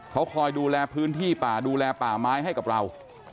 เขาคอยดูแลพื้นที่ป่าดูแลป่าไม้ให้กับเรา